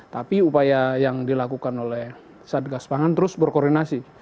tapi upaya yang dilakukan oleh satgas pangan terus berkoordinasi